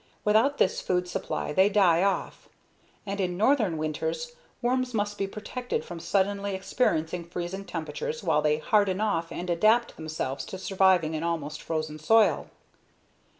Without this food supply they die off. And in northern winters worms must be protected from suddenly experiencing freezing temperatures while they "harden off" and adapt themselves to surviving in almost frozen soil.